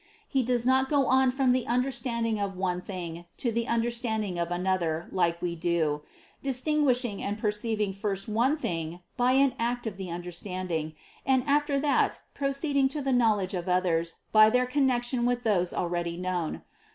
He does not go on from the under standing of one thing to the understanding of another like we do, distinguishing and perceiving first one thing by an act of the understanding, and after that proceeding to the knowledge of others by their connection with those already known.